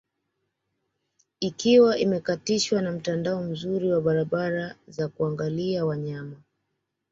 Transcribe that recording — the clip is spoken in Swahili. Ikiwa imekatishwa na mtandao mzuri wa barabara za kuangalia wanyama